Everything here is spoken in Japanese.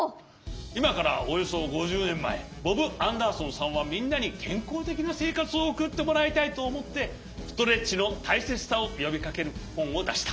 いまからおよそ５０ねんまえボブ・アンダーソンさんはみんなにけんこうてきなせいかつをおくってもらいたいとおもってストレッチのたいせつさをよびかけるほんをだした。